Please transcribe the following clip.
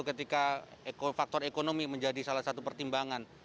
ketika faktor ekonomi menjadi salah satu pertimbangan